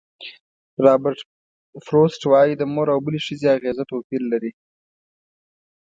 رابرټ فروسټ وایي د مور او بلې ښځې اغېزه توپیر لري.